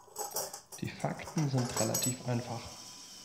Die Fakten sind relativ einfach.